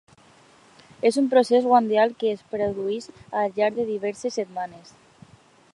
És un procés gradual que es produeix al llarg de diverses setmanes.